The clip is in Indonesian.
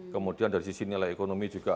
kemudian dari sisi nilai ekonomi juga